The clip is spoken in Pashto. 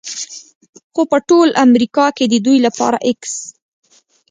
خو په ټول امریکا کې د دوی لپاره x